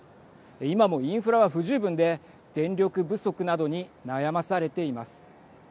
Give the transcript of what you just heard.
今もインフラは不十分で電力不足などに悩まされています。